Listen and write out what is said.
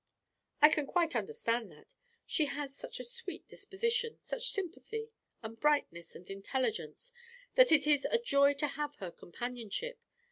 "I can quite understand that. She has such a sweet disposition, such sympathy, and brightness and intelligence, that it is a joy to have her companionship.